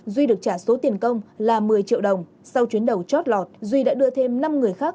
duy được trả số tiền công là một mươi triệu đồng sau chuyến đầu chót lọt duy đã đưa thêm năm người khác